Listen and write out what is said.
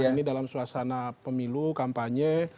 ini dalam suasana pemilu kampanye